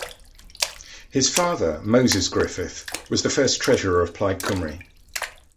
His father, Moses Griffith, was the first Treasurer of Plaid Cymru.